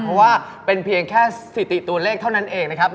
เพราะว่าเป็นเพียงแค่สถิติตัวเลขเท่านั้นเองนะครับ